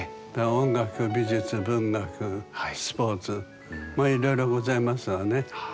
音楽美術文学スポーツもいろいろございますわね。